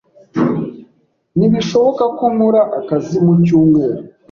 Ntibishoboka ko nkora akazi mu cyumweru.